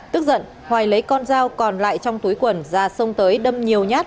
tức giận hoài lấy con dao còn lại trong túi quần ra sông tới đâm nhiều nhát